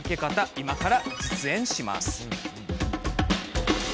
今から実演しちゃいます。